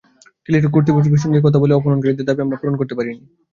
Teletalk কর্তৃপক্ষের সঙ্গে কথা বলে অপহরণকারীদের দাবি আমরা পূরণ করতে পারিনি।